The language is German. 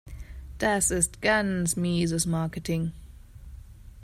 Das ist ganz mieses Marketing.